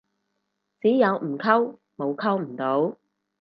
只有唔溝，冇溝唔到